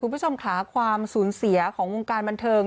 คุณผู้ชมค่ะความสูญเสียของวงการบันเทิง